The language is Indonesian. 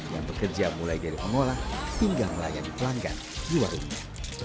yang bekerja mulai dari mengolah hingga melayani pelanggan di warungnya